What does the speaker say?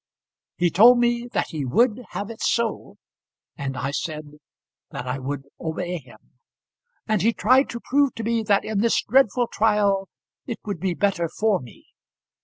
He told me that he would have it so, and I said that I would obey him; and he tried to prove to me that in this dreadful trial it would be better for me.